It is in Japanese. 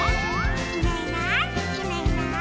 「いないいないいないいない」